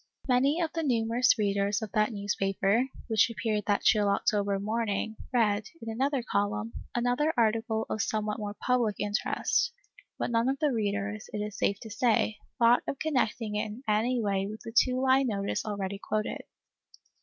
Many of the numerous readers of that news paper, which appeared that chill October morn ing, read, in another column, another article 'of somewhat more public interest ; but none of the readers, it is safe to say, thought of connecting ALICE ; OR, THE WAGES OF SIN. 5 it in any way with the two line notice already quoted.